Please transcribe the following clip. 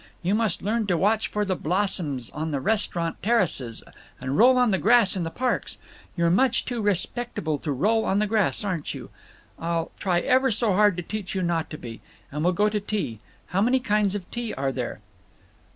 You must learn to watch for the blossoms on the restaurant terraces and roll on the grass in the parks. You're much too respectable to roll on the grass, aren't you? I'll try ever so hard to teach you not to be. And we'll go to tea. How many kinds of tea are there?"